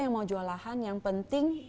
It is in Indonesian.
yang mau jual lahan yang penting